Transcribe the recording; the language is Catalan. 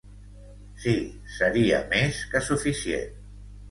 Sí, seria més que suficient.